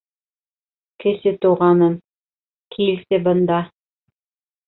Кесе Туғаным, килсе бында!